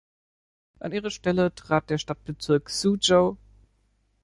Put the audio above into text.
An ihre Stelle trat der Stadtbezirk Suzhou.